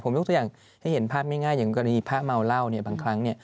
ผมยกตัวอย่างให้เห็นพระไม่ง่ายอย่างพระเมาเหล้าบางครั้ง